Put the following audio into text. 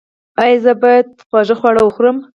ایا زه باید خوږ خواړه وخورم؟